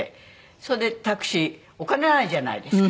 それでタクシーお金ないじゃないですか。